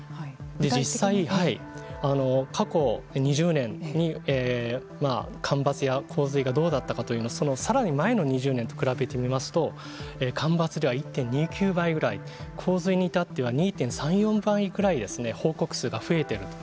実際、過去２０年に干ばつや洪水がどうだったかというのはそのさらに前の２０年と比べてみますと干ばつでは１．２９倍ぐらい洪水に至っては２．３４倍ぐらい報告数が増えていると。